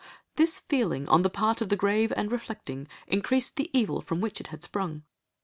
This feeling on the part of the grave and reflecting, increased the evil from which it had sprung.